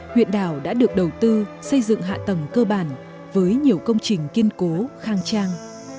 huyện đảo đã được đầu tư xây dựng hạ tầng cơ bản với nhiều công trình kiên cố khang trang